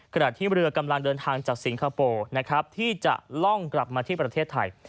ขณะที่เรือกำลังเดินทางจากสิงคโปร์นะครับที่จะล่องกลับมาที่ประเทศไทย